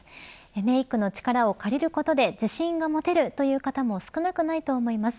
メークの力を借りることで自信が持てるという方も少なくないと思います。